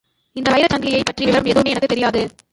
இந்த வைரச் சங்கிலியைப் பற்றிய விவரம் எதுவுமே எனக்குத் தெரியாது.